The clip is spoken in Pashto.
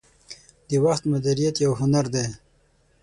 • د وخت مدیریت یو هنر دی.